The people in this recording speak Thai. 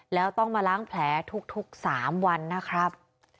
แล้วต้องมาล้างแผลทุก๓วันนะครับ